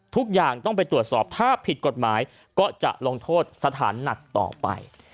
ทุกอย่างต้องไปตรวจสอบถ้าผิดกฎหมายก็จะลงโทษสถานหนักต่อไป